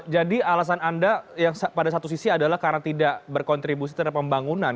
jadi alasan anda yang pada satu sisi adalah karena tidak berkontribusi terhadap pembangunan